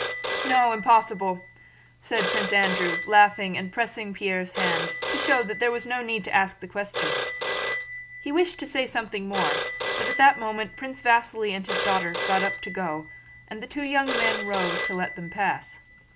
"No, impossible!" said Prince Andrew, laughing and pressing Pierre's hand to show that there was no need to ask the question. He wished to say something more, but at that moment Prince Vasíli and his daughter got up to go and the two young men rose to let them pass.